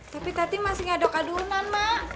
tapi tadi masih ngaduk adonan mak